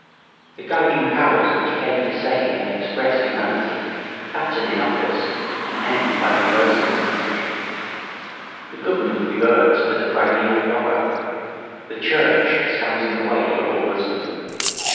The guiding powers which came to save and express humanity fatten in office and end by reversing their function. The government reverts to the primeval robber; the church stands in the way of all wisdom.